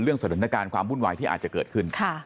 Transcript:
สถานการณ์ความวุ่นวายที่อาจจะเกิดขึ้น